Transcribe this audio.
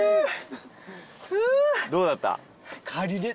どうだった？